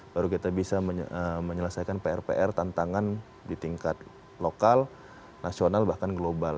baru kita bisa menyelesaikan pr pr tantangan di tingkat lokal nasional bahkan global